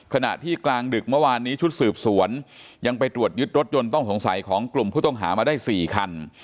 ขณะที่กลางดึกเมื่อวานนี้ชุดสืบสวนยังไปตรวจยึดรถยนต์ต้องสงสัยของกลุ่มผู้ต้องหามาได้๔คัน